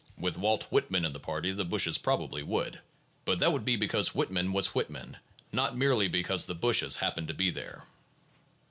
With Walt Whitman in the party the bushes probably would, but that would be because Whitman was Whitman, not merely because the bushes happen to be there.